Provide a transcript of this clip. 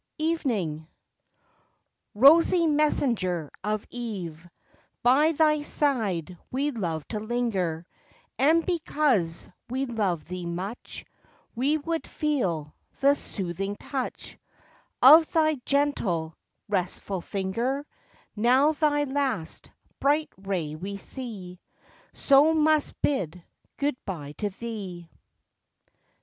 EVENING Rosy messenger of eve, By thy side we love to linger, And because we love thee much, We would feel the soothing touch Of thy gentle, restful finger, Now thy last bright ray we see, So must bid goodbye to thee.